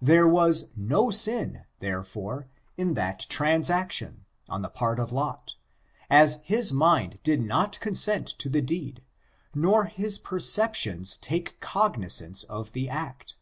There was no sin, therefore, in that transaction, on the part of Lot, as his mind did not consent to the deed, nor his perceptions take cognizance of the act.